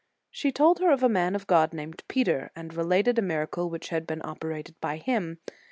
She told her of a man of God, named Peter, and related a miracle which had been operated by him.